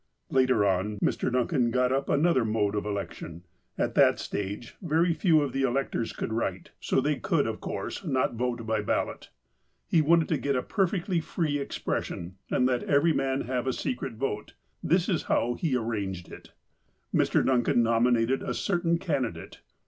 Later on, Mr. Duncan got up another mode of election. At that stage very few of the electors could write. So I TEMPORAL ADVANCEMENT 183 they could, of course, not vote by ballot. He wanted to get a perfectly free expression, and let every man have a secret vote. This is how he arranged it : Mr. Duncan nominated a certain candidate.